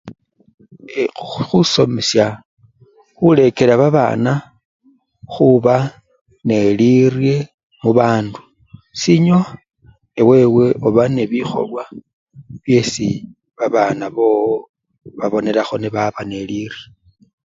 Khusomesha khurekera babana khuba ne lirye mubandu, sinyowa ewewe oba nebikholwa byesi babana bowo bonelakho baba nelirye.